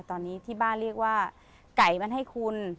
ตอนนี้ที่บ้านเรียกว่าไก่มันให้คุณ